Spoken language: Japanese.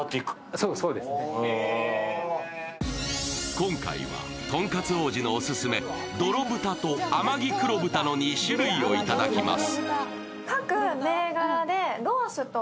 今回は、とんかつ王子のオススメどろぶたと天城黒豚の２種類をいただきます。